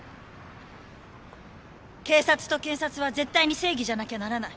警察と検察は絶対に正義じゃなきゃならない。